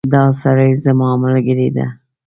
دا سړی زما ملګری ده